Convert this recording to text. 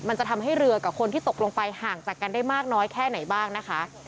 มันจะทำให้เรือกับคนที่ตกลงไปห่างจากกันได้มากน้อยแค่ไหนบ้างนะคะ